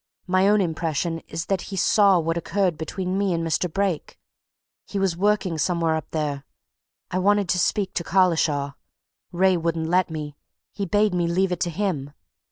My own impression is that he saw what occurred between me and Mr. Brake he was working somewhere up there. I wanted to speak to Collishaw. Wraye wouldn't let me, he bade me leave it to him.